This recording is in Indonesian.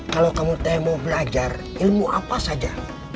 kalau kamu mau belajar ilmu apa saja